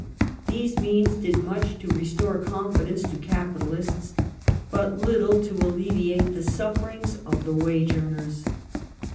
These means did much to restore confidence to capitalists, but little to alleviate the sufferings of the wage earners.